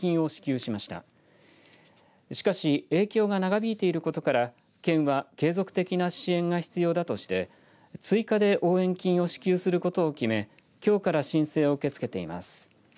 しかし影響が長引いていることから県は継続的な支援が必要だとして追加で応援金を支給することを決めきょうから申請を受け付けています。